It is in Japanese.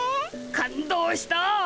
感動した。